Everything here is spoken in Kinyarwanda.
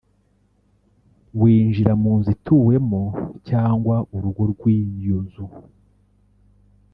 winjira mu nzu ituwemo cyangwa urugo rw’iyo nzu